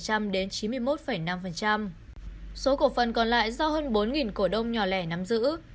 số cổ phần còn lại do hơn bốn cổ đông nhỏ lẻ nắm giữ